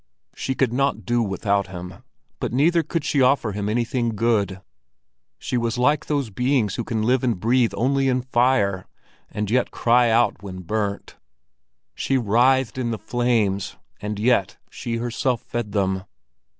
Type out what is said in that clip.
She could not do without him, but neither could she offer him anything good; she was like those beings who can live and breathe only in fire, and yet cry out when burnt. She writhed in the flames, and yet she herself fed them.